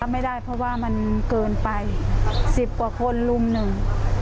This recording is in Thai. ไม่ได้เพราะว่ามันเกินไปสิบกว่าคนลุมหนึ่ง